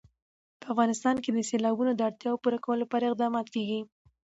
په افغانستان کې د سیلابونه د اړتیاوو پوره کولو لپاره اقدامات کېږي.